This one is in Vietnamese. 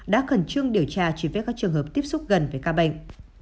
đã khẩn trương điều tra truy vết các trường hợp tiếp xúc gần với ca bệnh